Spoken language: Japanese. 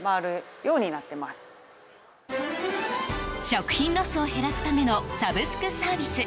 食品ロスを減らすためのサブスクサービス